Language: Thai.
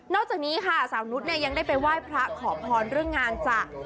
จากนี้ค่ะสาวนุษย์เนี่ยยังได้ไปไหว้พระขอพรเรื่องงานจ้ะ